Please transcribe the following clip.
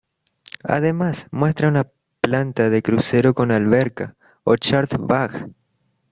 Además muestra una planta de crucero con alberca, o "chart-bagh".